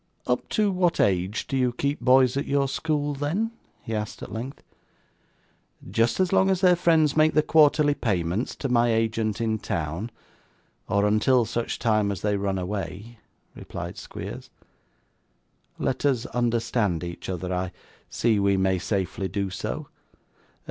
'Up to what age do you keep boys at your school then?' he asked at length. 'Just as long as their friends make the quarterly payments to my agent in town, or until such time as they run away,' replied Squeers. 'Let us understand each other; I see we may safely do so.